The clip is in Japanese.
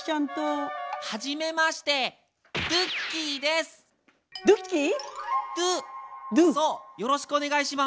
ドゥッキー⁉そうよろしくお願いします。